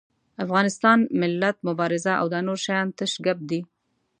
افغانستان، ملت، مبارزه او دا نور شيان تش ګپ دي.